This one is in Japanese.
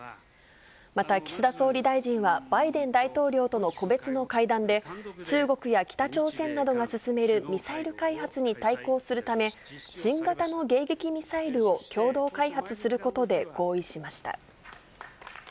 また岸田総理大臣は、バイデン大統領との個別の会談で、中国や北朝鮮などが進めるミサイル開発に対抗するため、新型の迎撃ミサイルを共同開発することで合意しました。